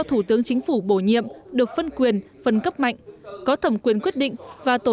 thủ tướng chính phủ bổ nhiệm được phân quyền phân cấp mạnh có thẩm quyền quyết định và tổ